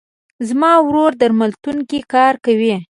زما ورور درملتون کې کار کوي.